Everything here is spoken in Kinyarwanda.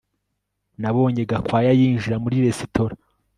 Nabonye Gakwaya yinjira muri resitora